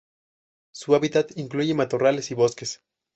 Su hábitat incluye matorrales y bosques.